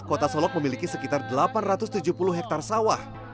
kota solok memiliki sekitar delapan ratus tujuh puluh hektare sawah